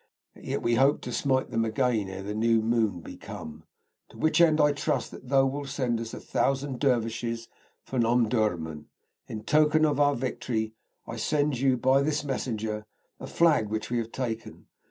Yet we hope to smite them again ere the new moon be come, to which end I trust that thou wilt send us a thousand Dervishes from Omdurman. In token of our victory I send you by this messenger a flag which we have taken.